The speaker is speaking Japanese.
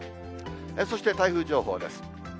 そして台風情報です。